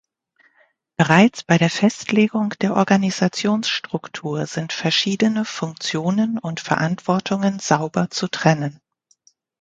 Bereits bei der Festlegung der Organisationsstruktur sind verschiedene Funktionen und Verantwortungen sauber zu trennen.